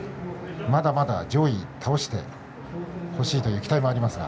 まだまだ上位を倒してほしいという期待がありますが。